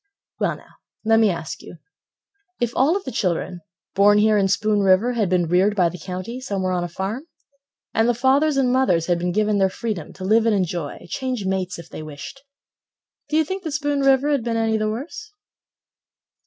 Well now, let me ask you: If all of the children, born here in Spoon River Had been reared by the County, somewhere on a farm; And the fathers and mothers had been given their freedom To live and enjoy, change mates if they wished, Do you think that Spoon River Had been any the worse?